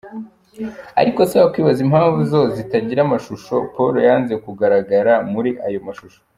Ariko se wakwibaza impamvu zo zitagira amashusho? Paul yanze kugaragagara muri ayo mashusho.